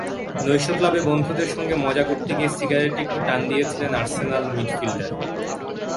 নৈশক্লাবে বন্ধুদের সঙ্গে মজা করতে গিয়ে সিগারেটে একটু টান দিয়েছিলেন আর্সেনাল মিডফিল্ডার।